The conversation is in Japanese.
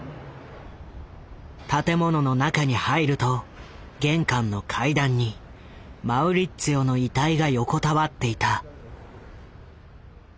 建物の中に入ると玄関の階段にマウリッツィオの遺体が横たわっていた。